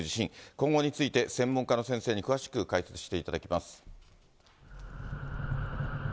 今後について、専門家の先生に詳しく解説していただきます。